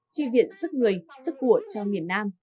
tri viện sức người sức của cho miền nam